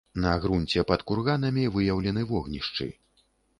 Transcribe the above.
На грунце пад курганамі выяўлены вогнішчы.